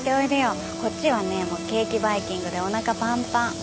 こっちはねケーキバイキングでおなかぱんぱん。